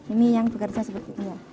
ini yang bekerja seperti itu